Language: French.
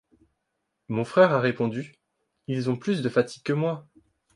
Mon frère a répondu: «— Ils ont plus de fatigue que moi.